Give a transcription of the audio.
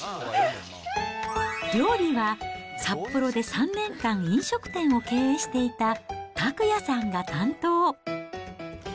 料理は札幌で３年間飲食店を経営していた拓也さんが担当。